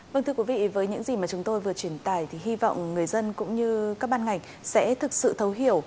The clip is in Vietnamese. vâng thưa quý vị với những gì mà chúng tôi vừa truyền tải thì hy vọng người dân cũng như các ban ngành sẽ thực sự thấu hiểu